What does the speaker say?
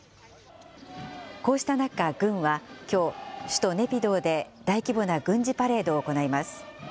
こうした中、軍は、きょう、首都ネピドーで大規模な軍事パレードを行います。